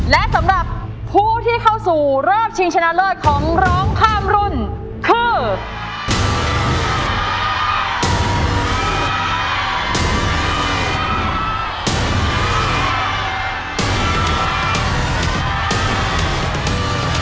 และสำหรับผู้ที่เข้าสู่รอบชิงชนะเลิศของร้องข้ามรุ่นคือ